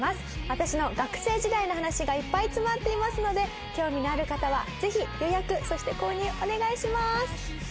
私の学生時代の話がいっぱい詰まっていますので興味のある方はぜひ予約そして購入お願いします。